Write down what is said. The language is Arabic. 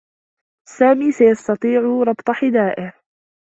سامي سيتطيع ربط حذائه.